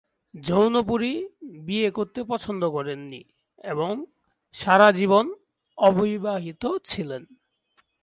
জৌনপুরী বিয়ে করতে পছন্দ করেন নি এবং সারা জীবন অবিবাহিত ছিলেন।